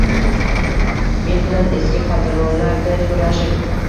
men bilan eski qadrdonlarday so’rashib